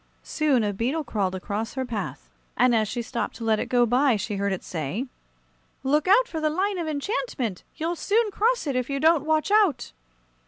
Soon a beetle crawled across her path, and as she stopped to let it go by, she heard it say: "Look out for the line of enchantment! You'll soon cross it, if you don't watch out."